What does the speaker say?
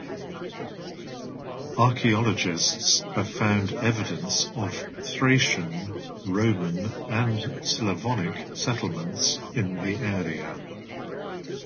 Archeologists have found evidence of Thracian, Roman and Slavonic settlements in the area.